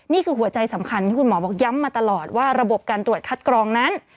นี่คือหัวใจสำคัญที่คุณหมอบอกย้ำมาตลอดว่าระบบการตรวจคัดกรองนั้น